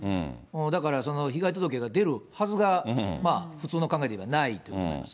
だから、被害届が出るはずが、普通の考えでいえばないと思います。